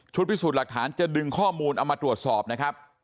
พิสูจน์หลักฐานจะดึงข้อมูลเอามาตรวจสอบนะครับ